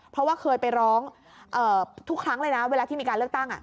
เพราะว่าเคยไปร้องทุกครั้งเลยนะเวลาที่มีการเลือกตั้ง